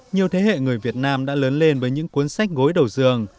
nhiều thế hệ người việt nam đã lớn lên với những cuốn sách gối đầu dường